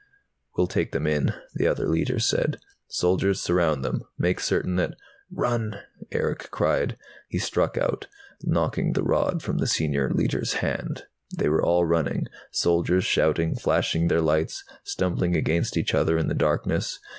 "We'll take them in," the other Leiter said. "Soldiers, surround them. Make certain that " "Run!" Erick cried. He struck out, knocking the rod from the Senior Leiter's hand. They were all running, soldiers shouting, flashing their lights, stumbling against each other in the darkness.